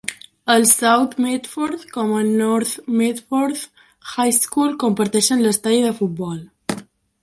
El South Medford com el North Medford High School comparteixen l'estadi de futbol.